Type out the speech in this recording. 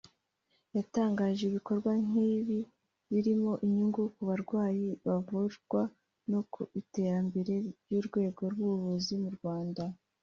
yatangaje ibikorwa nk’ibi birimo inyungu ku barwayi bavurwa no ku iterambere ry’urwego rw’ubuvuzi mu Rwanda